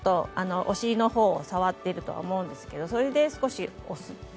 お尻のほうを触っていると思うんですけどそれで少し押す。